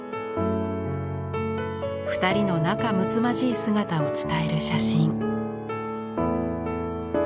２人の仲むつまじい姿を伝える写真。